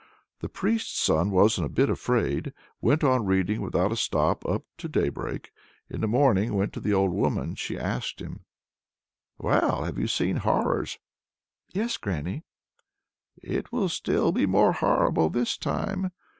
The priest's son wasn't a bit afraid, went on reading without a stop right up to daybreak, and in the morning went to the old woman. She asked him "Well! have you seen horrors?" "Yes, granny!" "It will be still more horrible this time.